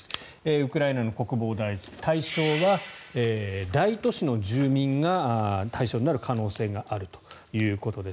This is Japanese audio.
ウクライナの国防大臣対象は大都市の住民が対象になる可能性があるということです。